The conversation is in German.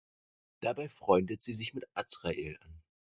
Dabei freundet sie sich mit Azrael an.